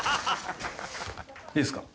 いいですか？